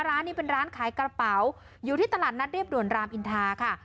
ร้านนี้เป็นร้านขายกระเป๋าอยู่ที่ตลาดนัดเรียบด่วนรามอินทาค่ะ